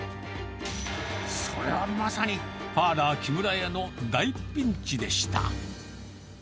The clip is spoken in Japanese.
それはまさに、パーラーキムラヤの大ピンチでした。